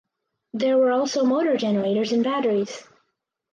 There were also motor generators and batteries.